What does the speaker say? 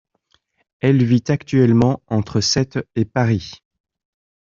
Elle vit actuellement entre Sète et Paris.